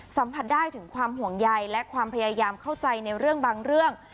สัมผัสได้ถึงความห่วงใยและความพยายามเข้าใจในเรื่องบางเรื่อง